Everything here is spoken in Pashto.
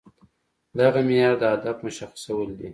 دغه معيار د هدف مشخصول دي.